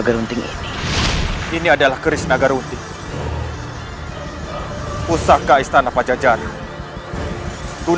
hari ini adalah hari kematianmu